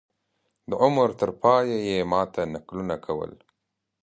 د عمر تر پایه یې ما ته نکلونه کول.